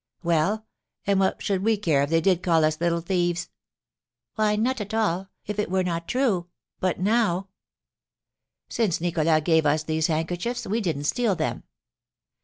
"Well, and what should we care if they did call us little thieves?" "Why, not at all, if it were not true. But now " "Since Nicholas gave us these handkerchiefs, we didn't steal them!"